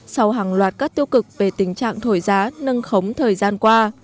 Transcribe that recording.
sau hàng loạt các tiêu cực về tình trạng thổi giá nâng khống thời gian qua